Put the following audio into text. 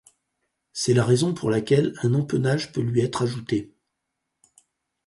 C'est la raison pour laquelle un empennage peut lui être ajouté.